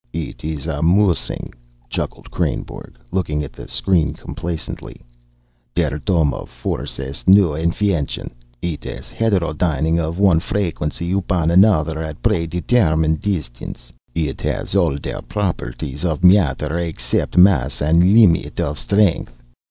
"It is amusing," chuckled Kreynborg, looking at the screen complacently. "Der dome of force is a new infention. It is a heterodyning of one frequency upon another at a predetermined distance. It has all der properties of matter except mass and a limit of strength.